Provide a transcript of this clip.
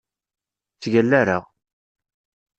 Ur ttgalla ara!